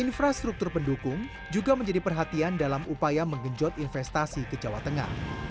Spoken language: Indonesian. infrastruktur pendukung juga menjadi perhatian dalam upaya menggenjot investasi ke jawa tengah